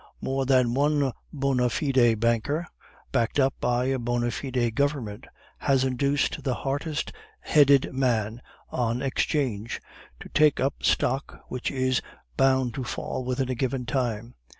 More than one bona fide banker, backed up by a bona fide government, has induced the hardest headed men on 'Change to take up stock which is bound to fall within a given time.